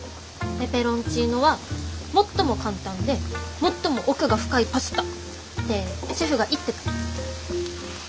ペペロンチーノは「最も簡単で最も奥が深いパスタ」ってシェフが言ってた。